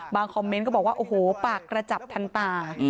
คอมเมนต์ก็บอกว่าโอ้โหปากกระจับทันตา